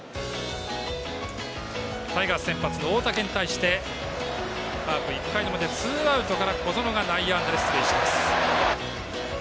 タイガース先発の大竹に対してカープ、１回の表ツーアウトから小園が内野安打で出塁します。